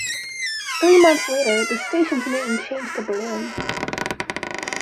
Three months later, the station's name changed to Berlin.